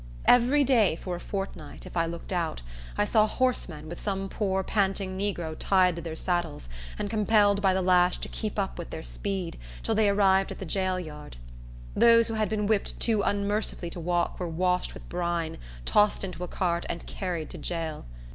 Every day for a fortnight, if I looked out, I saw horsemen with some poor panting negro tied to their saddles, and compelled by the lash to keep up with their speed, till they arrived at the jail yard. Those who had been whipped too unmercifully to walk were washed with brine, tossed into a cart, and carried to jail.